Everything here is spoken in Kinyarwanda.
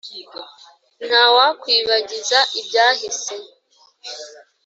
ntawakwibagiza ibyahise